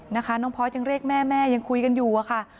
น้องพอร์ตยังเรียกแม่แม่ยังคุยกันอยู่อะค่ะ